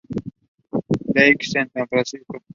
Luke's en San Francisco.